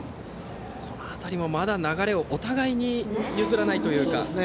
この辺りもまだ流れをお互い譲らないというか。